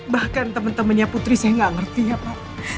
bahkan temen temennya putri saya gak ngerti ya pak